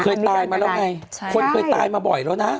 เคยตายมาแล้วไงคนเคยตายมาบ่อยแล้วนะ